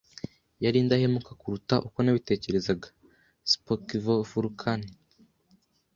Yari indahemuka kuruta uko nabitekerezaga. (spockofvulcan)